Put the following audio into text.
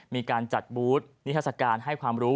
มีการจัดบูธนิทรศการให้ความรู้